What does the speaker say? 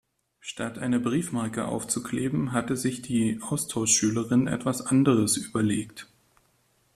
Statt eine Briefmarke aufzukleben, hatte sich die Austauschschülerin etwas anderes überlegt.